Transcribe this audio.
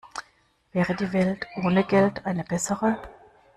Wäre die Welt ohne Geld eine bessere?